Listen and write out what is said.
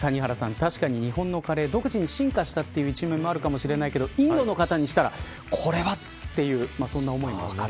確かに、日本のカレー独自に進化したという一面もあるかもしれないけどインドの方にしたらこれはというそんな思いも分かる。